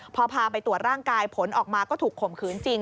พอพาไปตรวจร่างกายผลออกมาก็ถูกข่มขืนจริง